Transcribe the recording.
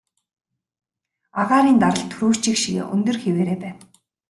Агаарын даралт түрүүчийнх шигээ өндөр хэвээрээ байна.